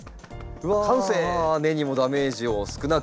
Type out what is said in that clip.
うわ根にもダメージを少なく。